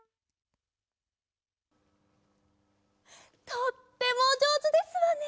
とってもおじょうずですわね！